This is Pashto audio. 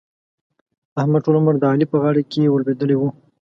احمد؛ ټول عمر د علي په غاړه کې ور لوېدلی وو.